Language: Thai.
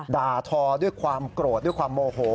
ด่าทอด้วยความโกรธด้วยความโมโห